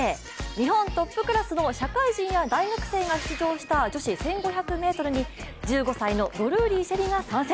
日本トップクラスの社会人や大学生が出場した女子１５００ｍに１５歳のドルーリー朱瑛里が参戦。